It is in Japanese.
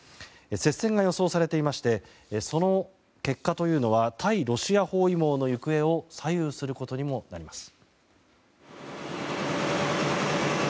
接戦が予想されていましてその結果というのは対ロシア包囲網の行方を左右することにもなります。